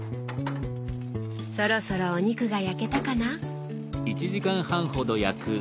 そろそろお肉が焼けたかな？